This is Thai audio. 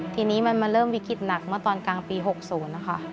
ทีนี้มันมาเริ่มวิกฤตหนักเมื่อตอนกลางปี๖๐นะคะ